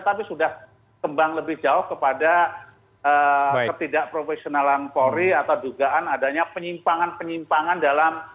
tapi sudah kembang lebih jauh kepada ketidakprofesionalan polri atau dugaan adanya penyimpangan penyimpangan dalam